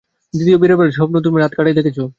দ্বিতীয় বারের স্বপ্ন তুমি রাত কটায় দেখেছ?